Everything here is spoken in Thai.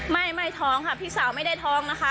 ไม่ไม่ท้องค่ะพี่สาวไม่ได้ท้องนะคะ